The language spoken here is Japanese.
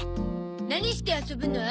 何して遊ぶの？